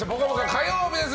火曜日です。